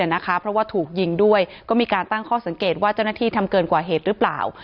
เพราะว่าถูกยิงด้วยก็มีการตั้งข้อสังเกตว่าเจ้าหน้าที่ทำเกินกว่าเหตุหรือเปล่า